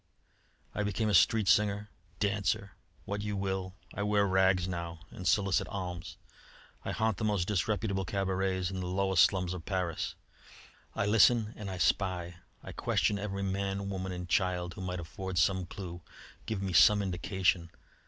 I became a street singer, dancer, what you will. I wear rags now and solicit alms. I haunt the most disreputable cabarets in the lowest slums of Paris. I listen and I spy; I question every man, woman, and child who might afford some clue, give me some indication.